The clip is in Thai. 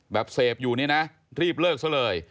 แบบเสพอยู่นี่นะรีบเลิกซะเลย